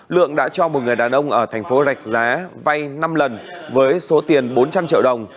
lượng đã cho một người đàn ông ở thành phố rạch giá vay năm lần với số tiền bốn trăm linh triệu đồng